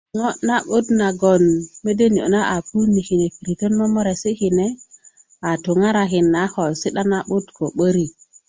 ŋo na'but nagon mede niyo na a puun i kine piritö momoresi kune a tuŋarakin a ko si'da na'but ko 'börik